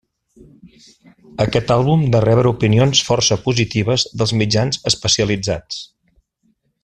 Aquest àlbum de rebre opinions força positives dels mitjans especialitzats.